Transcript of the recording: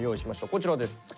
こちらです。